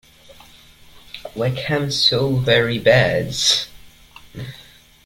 Wickham so very bad!